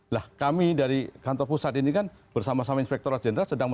lah kami dari kantor pusat ini kan bersama sama inspektorat jenderal